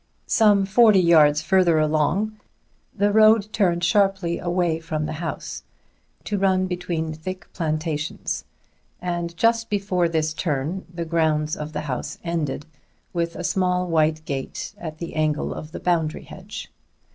Some forty yards further along, the road turned sharply away from the house, to run between thick plantations; and just before this turn the grounds of the house ended, with a small white gate at the angle of the boundary hedge.